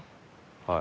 はい。